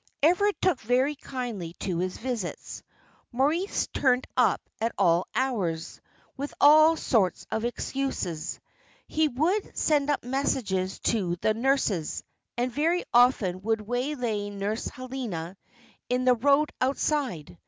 Everard took very kindly to his visits. Moritz turned up at all hours, with all sorts of excuses. He would send up messages to the nurses, and very often would waylay Nurse Helena in the road outside.